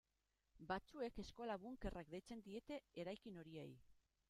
Batzuek eskola-bunkerrak deitzen diete eraikin horiei.